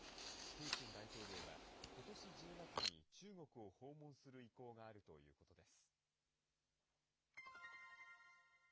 プーチン大統領はことし１０月に中国を訪問する意向があるということです。